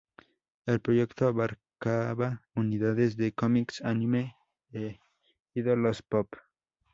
El proyecto abarcaba unidades de cómics, anime e ídolos pop.